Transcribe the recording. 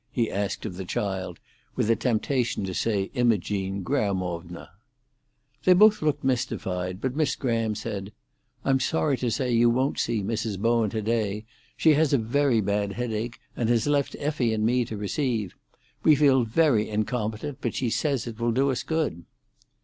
he asked of the child, with a temptation to say Imogene Grahamovna. They both looked mystified, but Miss Graham said, "I'm sorry to say you won't see Mrs. Bowen today. She has a very bad headache, and has left Effie and me to receive. We feel very incompetent, but she says it will do us good."